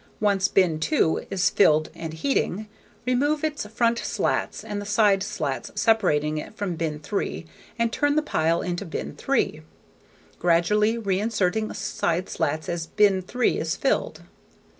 Once bin two is filled and heating, remove its front slats and the side slats separating it from bin three and turn the pile into bin three, gradually reinserting side slats as bin three is filled.